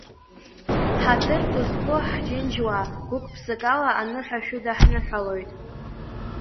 Ҳаҭыр ду зқәу ҳџьынџьуаа, гәык-ԥсык ала аныҳәа шәыдаҳныҳәалоит.